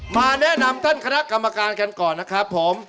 มาแนะนำท่านคณะกรรมการกันก่อนนะครับผม